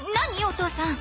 お父さん